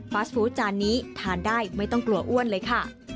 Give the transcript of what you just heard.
ฟู้ดจานนี้ทานได้ไม่ต้องกลัวอ้วนเลยค่ะ